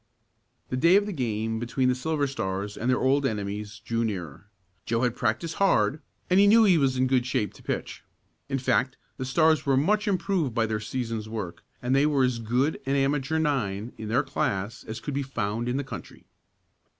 The day of the game between the Silver Stars and their old enemies drew nearer. Joe had practiced hard and he knew he was in good shape to pitch. In fact the Stars were much improved by their season's work, and they were as good an amateur nine in their class as could be found in the country.